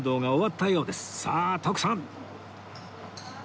さあ徳さん！